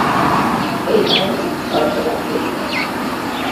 Eight items are selected.